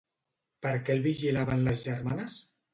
Per què el vigilaven les germanes?